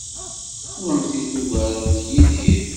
Kennemti tugaremt Yidir.